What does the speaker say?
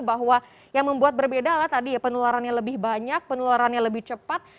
bahwa yang membuat berbeda adalah tadi ya penularannya lebih banyak penularannya lebih cepat